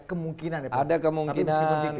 kemungkinan ya prof ada kemungkinan